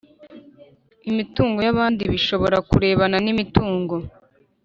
Imitungo y abandi bishobora kureba n imitungo